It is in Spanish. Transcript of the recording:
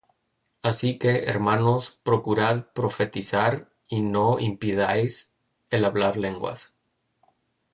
Así que, hermanos, procurad profetizar; y no impidáis el hablar lenguas.